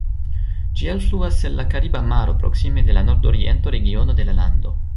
Ĝi elfluas en la Kariba Maro, proksime de la nordoriento regiono de la lando.